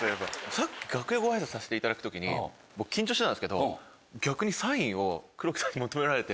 さっき楽屋ご挨拶させていただく時に僕緊張してたんですけど逆に黒木さんに。えっ！